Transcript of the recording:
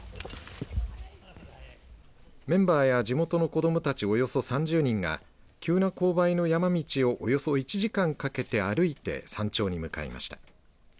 メンバーや地元の子どもたちおよそ３０人が急な勾配の山道をおよそ１時間かけて歩いて山頂に向かいました。